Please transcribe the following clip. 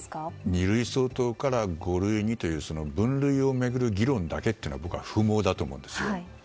二類相当から五類にというその、分類を巡る議論だけというのは僕は不毛だと思うんです。